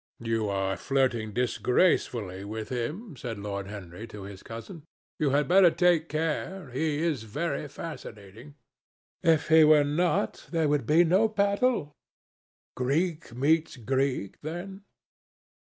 "You are flirting disgracefully with him," said Lord Henry to his cousin. "You had better take care. He is very fascinating." "If he were not, there would be no battle." "Greek meets Greek, then?"